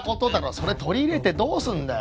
それ取り入れてどうすんだよ！